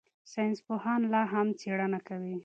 ساینسپوهان لا هم څېړنه کوي.